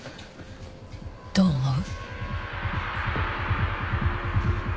どう思う？